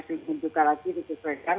tinggal rp satu tujuh juta lagi dikisarkan